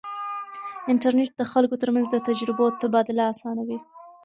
انټرنیټ د خلکو ترمنځ د تجربو تبادله اسانوي.